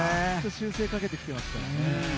修正かけてきていますからね。